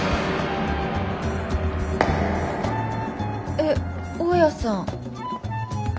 えっ大家さん！？